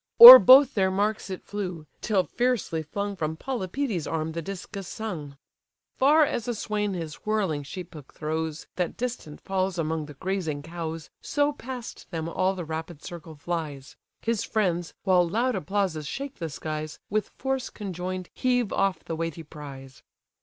O'er both their marks it flew; till fiercely flung From Polypœtes' arm the discus sung: Far as a swain his whirling sheephook throws, That distant falls among the grazing cows, So past them all the rapid circle flies: His friends, while loud applauses shake the skies, With force conjoin'd heave off the weighty prize.